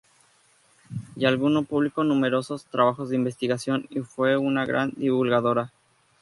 Llaguno publicó numerosos trabajos de investigación y fue una gran divulgadora.